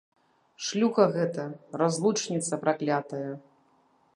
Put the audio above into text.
Шлюха гэта, разлучніца праклятая!